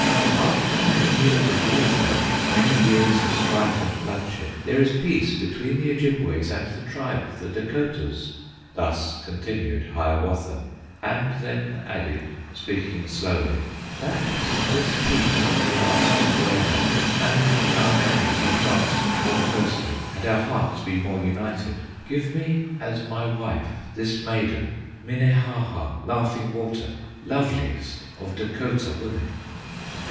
"After many years of warfare, Many years of strife and bloodshed, There is peace between the Ojibways And the tribe of the Dacotahs." Thus continued Hiawatha, And then added, speaking slowly, "That this peace may last forever, And our hands be clasped more closely, And our hearts be more united, Give me as my wife this maiden, Minnehaha, Laughing Water, Loveliest of Dacotah women!"